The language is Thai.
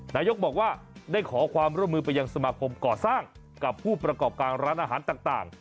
นายกบอกว่าได้ขอความร่วมมือไปยังสมาคมก่อสร้างกับผู้ประกอบการร้านอาหารต่าง